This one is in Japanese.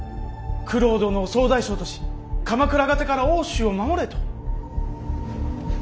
九郎殿を総大将とし鎌倉方から奥州を守れと。